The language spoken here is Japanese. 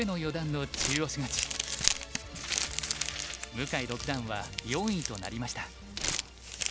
向井六段は４位となりました。